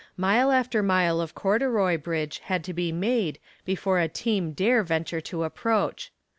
Mile after mile of corduroy bridge had to be made before a team dare venture to approach.